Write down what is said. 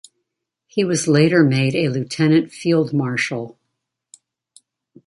He was later made a Lieutenant Field-Marshal.